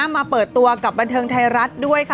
มาเปิดตัวกับบันเทิงไทยรัฐด้วยค่ะ